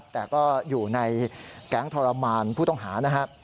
แต่ก็อยู่ในแก๊งทรมานผู้ต้องหา